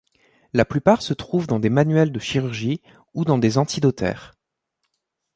La plupart se trouvent dans des manuels de chirurgie ou dans des antidotaires.